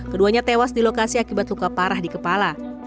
keduanya tewas di lokasi akibat luka parah di kepala